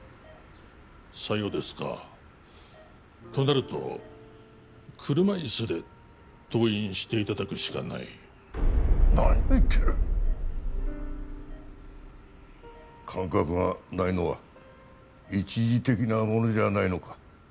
さようですかとなると車いすで登院していただくしかない何を言ってる感覚がないのは一時的なものじゃないのか？